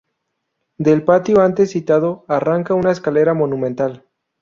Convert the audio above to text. Del patio antes citado arranca una escalera monumental.